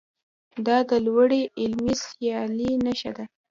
دا د لوړې علمي سیالۍ نښه ده.